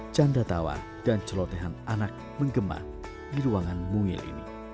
candatawa dan celotehan anak menggembang di ruangan mungil ini